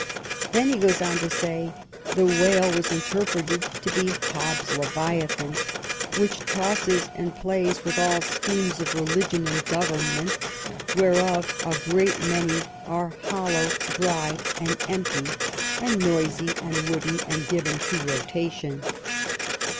Then he goes on to say :" The whale was interpreted to be Hobbe's Leviathan; which tosses and plays with all schemes of religion and government ; whereof a great many are hollow^ and dry, and empty, and noisy, and wooden, 280 JONATHAN SWIFT and given to rotation.